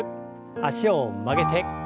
脚を曲げて。